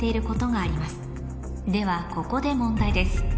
ここで問題です